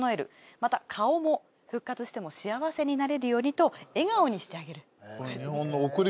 また顔も復活しても幸せになれるようにと笑顔にしてあげる。